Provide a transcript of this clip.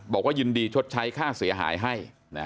บอกว่ายินดีชดใช้ค่าเสียหายให้